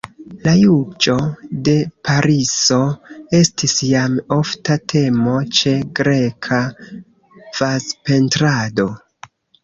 La juĝo de Pariso estis jam ofta temo ĉe greka vazpentrado.